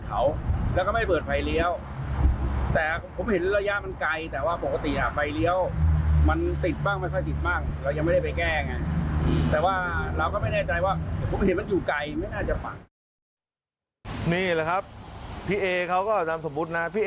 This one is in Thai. ทำไมเขาถึงลงมาชักปืนอย่างนั้น